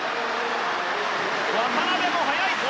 渡辺も早いぞ。